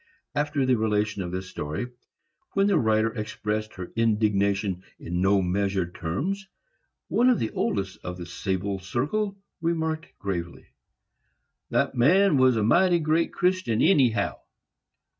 After the relation of this story, when the writer expressed her indignation in no measured terms, one of the oldest of the sable circle remarked, gravely, "The man was a mighty great Christian, anyhow."